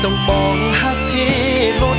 น้องกระปืนนี้ใส่เกียร์ถอย